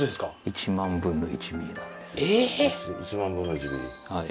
１万分の１ミリ。